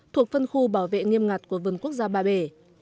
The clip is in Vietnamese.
thuộc phân khu bảo vệ nghiêm ngặt của vườn quốc gia ba bể